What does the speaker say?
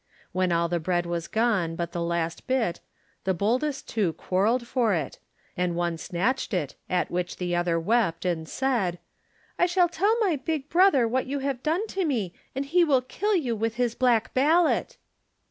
When all the bread was gone but the last bit, the boldest two quarreled for it, and one snatched it, at which the other wept and said: "I shall tell my big brother what you have done to me and he will kill you with his black ballot."